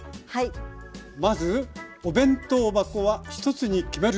まず「お弁当箱は１つに決める」。